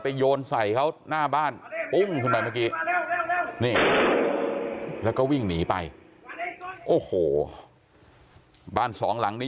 ไปโยนใส่เขาหน้าบ้านมีแล้วก็วิ่งหนีไปโอ้โหบ้านสองหลังนี้